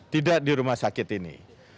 tidak di rumah sakit ini